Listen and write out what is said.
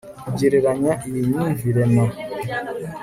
kugereranya iyi myumvire na